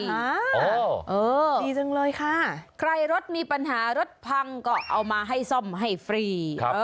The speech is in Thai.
ดีจังเลยค่ะใครรถมีปัญหารถพังก็เอามาให้ซ่อมให้ฟรี